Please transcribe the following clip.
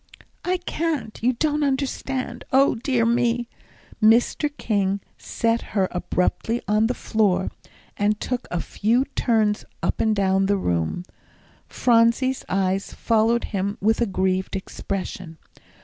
"I can't you don't understand O dear me!" Mr. King set her abruptly on the floor, and took a few turns up and down the room. Phronsie's eyes followed him with a grieved expression.